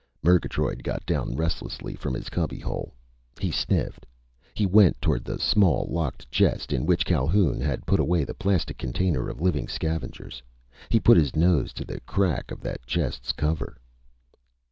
Murgatroyd got down restlessly from his cubbyhole. He sniffed. He went toward the small locked chest in which Calhoun had put away the plastic container of living scavengers. He put his nose to the crack of that chest's cover.